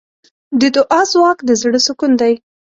د دعا ځواک د زړۀ سکون دی.